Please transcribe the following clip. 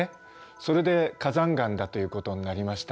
それで火山岩だということになりました。